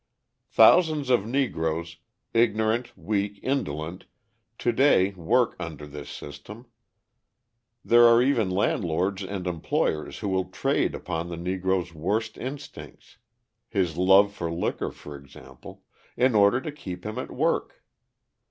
Thousands of Negroes, ignorant, weak, indolent, to day work under this system. There are even landlords and employers who will trade upon the Negro's worst instincts his love for liquor, for example in order to keep him at work.